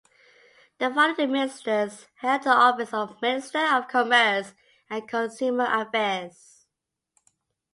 The following ministers held the office of Minister of Commerce and Consumer Affairs.